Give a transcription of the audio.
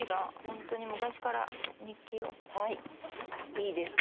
いいですか？